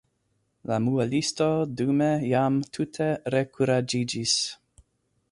La muelisto dume jam tute rekuraĝiĝis.